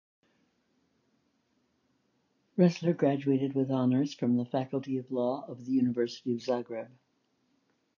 Ressler graduated with honors from the Faculty of Law of the University of Zagreb.